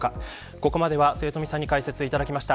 ここまでは末冨さんに解説いただきました。